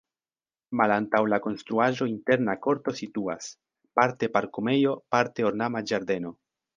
Malantaŭ la konstruaĵo interna korto situas, parte parkumejo, parte ornama ĝardeno.